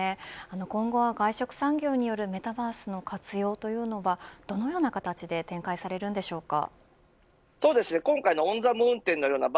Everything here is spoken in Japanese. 今後は、外食産業によるメタバースの活用はどのような形で展開されるんでしょうか。